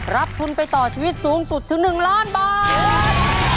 รับทุนไปต่อชีวิตสูงสุดถึง๑ล้านบาท